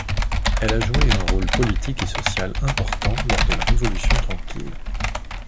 Elle a joué un rôle politique et social important lors de la Révolution tranquille.